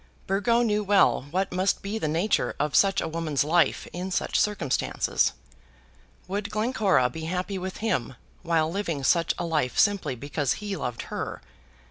Burgo knew well what must be the nature of such a woman's life in such circumstances. Would Glencora be happy with him while living such a life simply because he loved her?